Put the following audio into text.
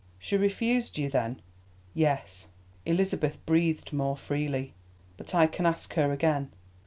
"She refused you, then?" "Yes." Elizabeth breathed more freely. "But I can ask her again."